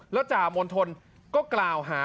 แล้วจ่ามณฑลก็กล่าวหา